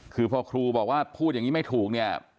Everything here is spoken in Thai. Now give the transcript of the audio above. คือพอครูบอกว่าพูดอย่างนี้ไม่ถูกเนี่ย